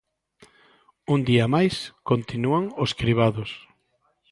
Un día máis, continúan os cribados.